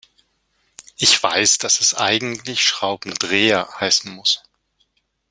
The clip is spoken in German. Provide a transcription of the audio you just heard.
Ich weiß, dass es eigentlich Schraubendreher heißen muss.